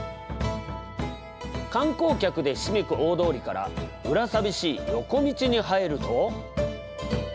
観光客でひしめく大通りからうら寂しい横道に入ると。